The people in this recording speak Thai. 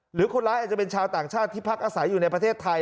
หรือคนร้ายอาจจะเป็นชาวต่างชาติที่พักอาศัยอยู่ในประเทศไทย